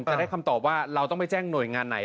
จะได้คำตอบว่าเราต้องไปแจ้งหน่วยงานไหน